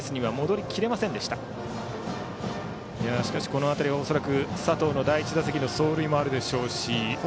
この辺りは恐らく佐藤の第１打席の走塁もあるでしょうし。